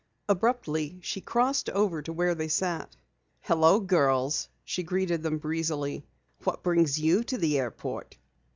Abruptly, she crossed over to where they sat. "Hello, girls," she greeted them breezily. "What brings you to the airport?"